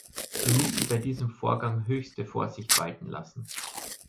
Wir müssen bei diesem Vorgang höchste Vorsicht walten lassen.